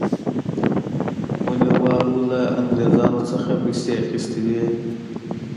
بونیروالو له انګرېزانو څخه پیسې اخیستې وې.